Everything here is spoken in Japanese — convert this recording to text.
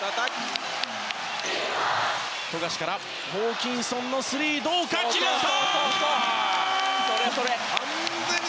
富樫から、ホーキンソンのスリー決まった！